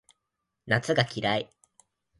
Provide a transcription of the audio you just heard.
夏が嫌い